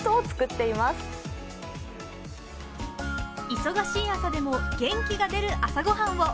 忙しい朝でも元気が出る朝ごはんを。